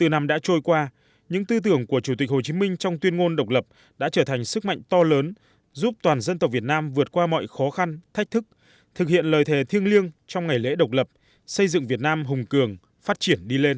bốn mươi năm đã trôi qua những tư tưởng của chủ tịch hồ chí minh trong tuyên ngôn độc lập đã trở thành sức mạnh to lớn giúp toàn dân tộc việt nam vượt qua mọi khó khăn thách thức thực hiện lời thề thiêng liêng trong ngày lễ độc lập xây dựng việt nam hùng cường phát triển đi lên